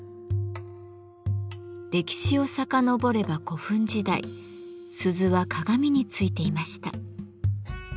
歴史をさかのぼれば古墳時代鈴は鏡についていました。